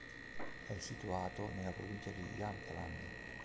È situato nella provincia di Jämtland.